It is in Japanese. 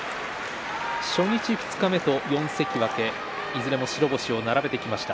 初日二日目と４関脇いずれも白星を並べてきました。